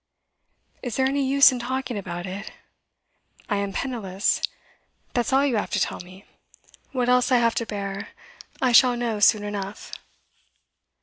'Is there any use in talking about it? I am penniless that's all you have to tell me. What else I have to bear, I shall know soon enough.